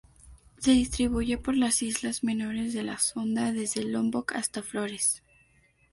Se distribuye por las islas menores de la Sonda: desde Lombok hasta Flores.